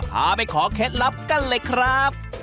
พาไปขอเคล็ดลับกันเลยครับ